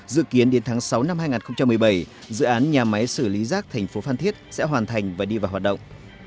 dự kiến đến tháng sáu năm hai nghìn một mươi bảy dự án nhà máy xử lý rác thành phố phan thiết sẽ hoàn thành và đi vào hoạt động